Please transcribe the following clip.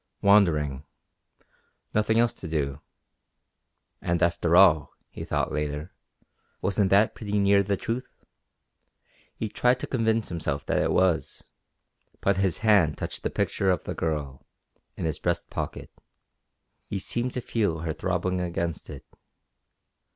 "Wandering. Nothing else to do." And after all, he thought later, wasn't that pretty near the truth? He tried to convince himself that it was. But his hand touched the picture of the Girl, in his breast pocket. He seemed to feel her throbbing against it.